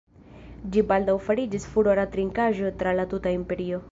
Ĝi baldaŭ fariĝis furora trinkaĵo tra la tuta imperio.